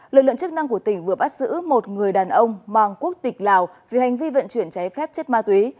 lực lượng chức năng của tỉnh vừa bắt giữ một người đàn ông mang quốc tịch lào vì hành vi vận chuyển cháy phép chất ma túy